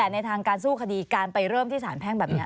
แต่ในทางการสู้คดีการไปเริ่มที่สารแพ่งแบบนี้